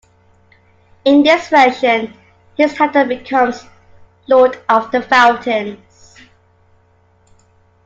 In this version, his title becomes "Lord of the Fountains".